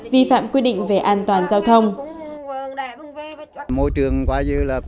vi phạm quy định về an toàn giao thông